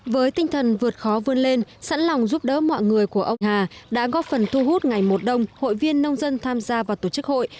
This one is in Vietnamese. với tinh thần vượt khó vươn lên sẵn lòng giúp đỡ mọi người của ông hà đã góp phần thu hút ngày một đông hội viên nông dân tham gia vào tổ chức hội